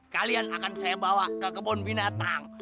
kalian akan saya bawa ke kebun binatang